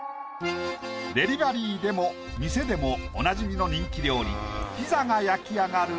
デリバリーでも店でもおなじみの人気料理ピザが焼き上がる